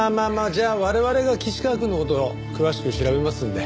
じゃあ我々が岸川くんの事を詳しく調べますんで。